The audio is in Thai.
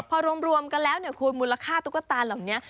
พอรวมกันแล้วเนี่ยคุณมูลค่าตุ๊กตาเหล่านี้